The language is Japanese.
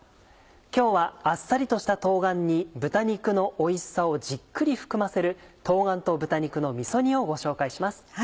今日はあっさりとした冬瓜に豚肉のおいしさをじっくり含ませる「冬瓜と豚肉のみそ煮」をご紹介します。